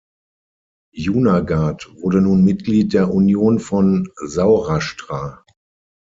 Junagadh wurde nun Mitglied der Union von Saurashtra.